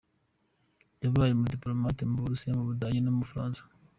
Yabaye n’umudipolomate mu Burusiya, u Budage n’u Bufaransa.